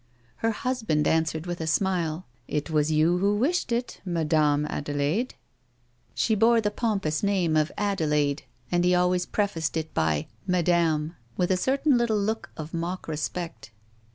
Her husband answered with a smile, " It was you who wished it, Madame Adelaide." A WOMAN'S LIFE. 9 She bore the pompous name of Adelaide, and he always prefaced it by " madame " with a certain little look of mock respect.